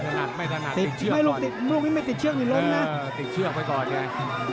ติดเชื่อกไว้ก่อน